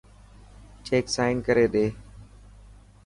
چيڪ سائن ڪري ڏي.